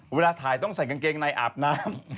เวลาถ่ายต้องใส่กางเกงในอาบน้ำ